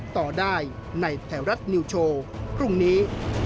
ต่อได้ในไทยรัฐนิวโชว์พรุ่งนี้